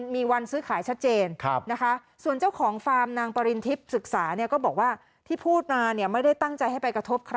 มีวันซื้อขายชัดเจนนะคะส่วนเจ้าของฟาร์มนางปริณทิพย์ศึกษาเนี่ยก็บอกว่าที่พูดมาเนี่ยไม่ได้ตั้งใจให้ไปกระทบใคร